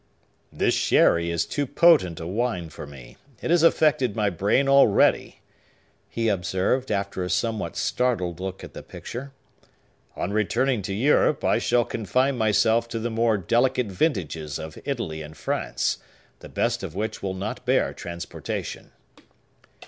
"This sherry is too potent a wine for me; it has affected my brain already," he observed, after a somewhat startled look at the picture. "On returning to Europe, I shall confine myself to the more delicate vintages of Italy and France, the best of which will not bear transportation."